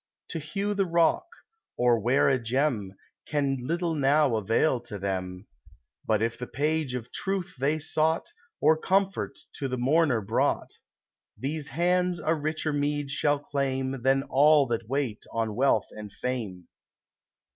To hew the rock, or wear a gem, Can little now avail to them ; But if the page of Truth they sought, Or comfort to the mourner brought, These hands a richer meed shall claim Than all that wait on Wealth and Fame.